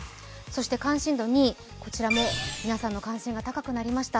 関心度２位、こちらも皆さんの関心が高くなりました。